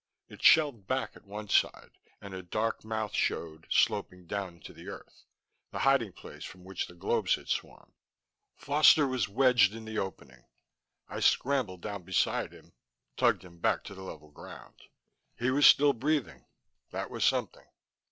It shelved back at one side, and a dark mouth showed, sloping down into the earth the hiding place from which the globes had swarmed. Foster was wedged in the opening. I scrambled down beside him, tugged him back to the level ground. He was still breathing; that was something.